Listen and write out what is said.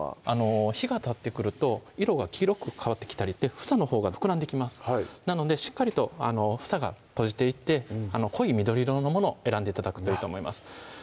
日がたってくると色が黄色く変わってきたりして房のほうが膨らんできますなのでしっかりと房が閉じていて濃い緑色のものを選んで頂くといいと思います